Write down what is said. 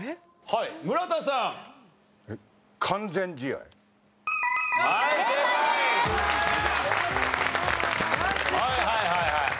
はいはいはいはい。